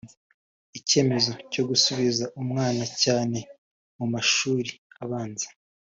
Icyemezo cyo gusibiza umwana cyane mu mashuri abanza